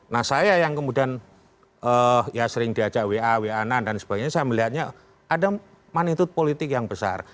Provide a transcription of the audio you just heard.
nah saya yang kemudian ya sering diajak wa wa na dan sebagainya saya melihatnya ada magnitude politik yang besar